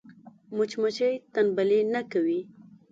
مچمچۍ تنبلي نه کوي